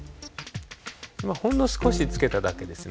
今ほんの少しつけただけですね。